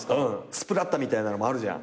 スプラッターみたいなのもあるじゃん。